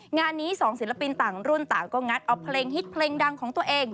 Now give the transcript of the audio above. งานนี้สองศิลปินต่างรุ่นต่างก็งัดเอาเพลงฮิตเพลงดังของตัวเอง